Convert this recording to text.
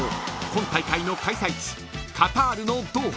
今大会の開催地］